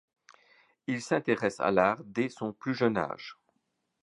Il s'intéresse à l'art dès son plus jeune âge.